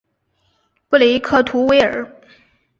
布雷克图维尔。